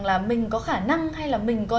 là mình có khả năng hay là mình có